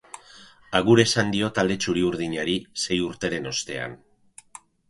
Agur esan dio talde txuri-urdinari, sei urteren ostean.